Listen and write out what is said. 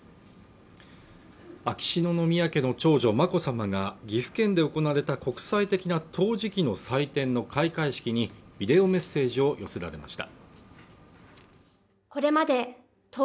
秋篠宮家の長女眞子さまが岐阜県で行われた国際的な陶磁器の祭典の開会式にビデオメッセージを寄せられました